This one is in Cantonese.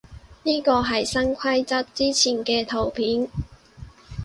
呢個係新規則之前嘅圖片